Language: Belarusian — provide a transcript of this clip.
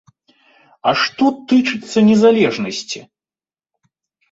А што тычыцца незалежнасці?